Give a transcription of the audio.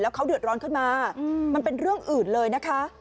เขาเดือดร้อนขึ้นมามันเป็นเรื่องอื่นเลยนะคะ